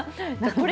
これ。